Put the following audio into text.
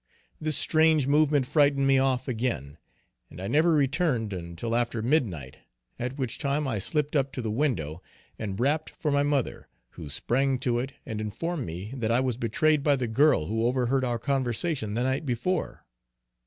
This strange movement frightened me off again, and I never returned until after midnight, at which time I slipped up to the window, and rapped for my mother, who sprang to it and informed me that I was betrayed by the girl who overheard our conversation the night before.